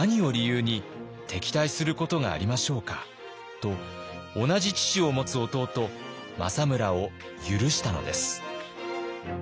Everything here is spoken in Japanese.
と同じ父を持つ弟政村を許したのです。